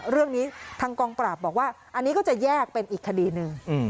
เรื่องนี้ทางกองปราบบอกว่าอันนี้ก็จะแยกเป็นอีกคดีหนึ่ง